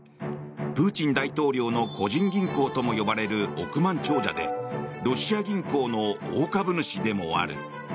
プーチン大統領の個人銀行とも呼ばれる億万長者でロシア銀行の大株主でもある。